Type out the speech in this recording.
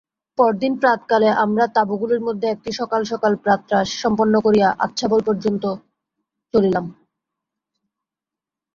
পরদিন প্রাতঃকালে আমরা তাঁবুগুলির মধ্যে একটিতে সকাল সকাল প্রাতরাশ সম্পন্ন করিয়া অচ্ছাবল পর্যন্ত চলিলাম।